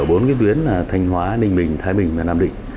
đây là bốn tuyến là thanh hóa ninh bình thái bình và nam định